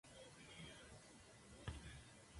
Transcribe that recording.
Pero pueden ocurrir durante todo el año.